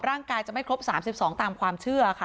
ร่างกายจะไม่ครบ๓๒ตามความเชื่อค่ะ